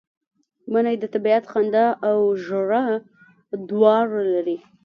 منی د طبیعت خندا او ژړا دواړه لري